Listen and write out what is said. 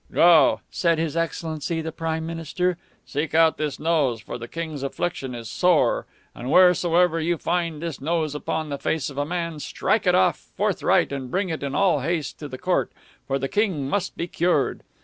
"'Go,' said his excellency the prime minister. 'Seek out this nose, for the King's affliction is sore. And wheresoever you find this nose upon the face of a man, strike it off forthright and bring it in all haste to the Court, for the King must be cured.